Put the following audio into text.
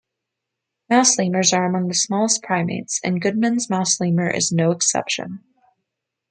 Mouse lemurs are among the smallest primates, and Goodman's mouse lemur is no exception.